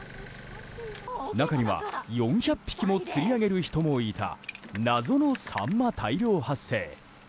中には、４００匹も釣り上げる人もいた謎のサンマ大量発生。